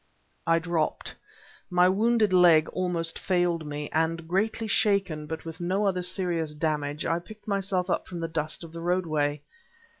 I dropped. My wounded leg almost failed me; and greatly shaken, but with no other serious damage, I picked myself up from the dust of the roadway.